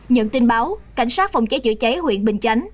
nhận tin báo cảnh sát phòng cháy chữa cháy huyện bình chánh